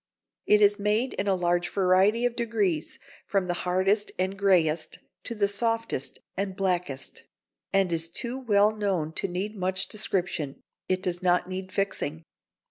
It is made in a large variety of degrees, from the hardest and greyest to the softest and blackest, and is too well known to need much description. It does not need fixing.